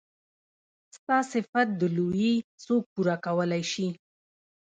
ستا صفت د لويي څوک پوره کولی شي.